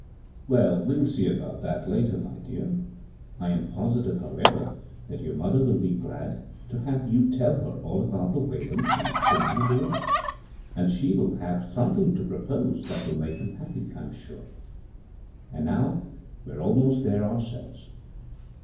" Well, we'll see about that later, my dear. I am positive, however, that your mother will be glad to have you tell her all about the Whalens and Timmy and the rest, and she will have something to pro pose that will make them happy, I'm sure. And now we're almost there ourselves."